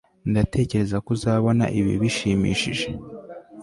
ndatekereza ko uzabona ibi bishimishije